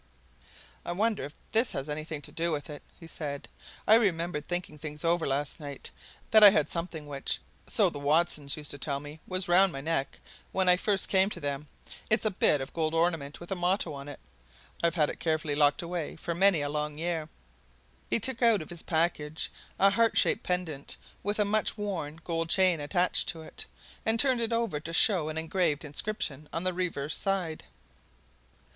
"I wonder if this has anything to do with it," he said. "I remembered, thinking things over last night, that I had something which, so the Watsons used to tell me, was round my neck when I first came to them. It's a bit of gold ornament, with a motto on it. I've had it carefully locked away for many a long year!" He took out of his package a heart shaped pendant, with a much worn gold chain attached to it, and turned it over to show an engraved inscription on the reverse side.